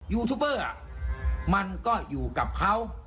ยูทูบเบอร์มันก็อยู่กับเขา